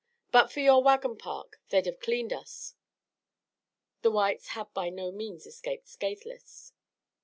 But for your wagon park they'd have cleaned us." The whites had by no means escaped scathless.